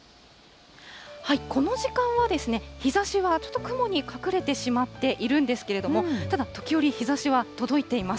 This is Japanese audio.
この時間はですね、日ざしはちょっと雲に隠れてしまっているんですけれども、ただ時折、日ざしは届いています。